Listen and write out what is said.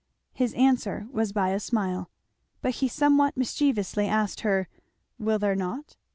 His answer was by a smile. But he somewhat mischievously asked her, "Will there not?"